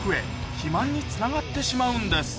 肥満につながってしまうんです